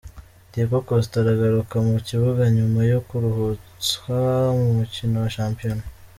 Diego Costa aragaruka mu kibuga nyuma yo kuruhutswa ku mukino wa Shampiyona.